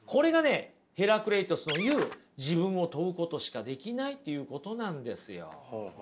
ヘラクレイトスの言う自分を問うことしかできないっていうことなんですよ。